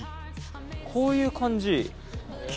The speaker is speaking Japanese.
こういう感じ。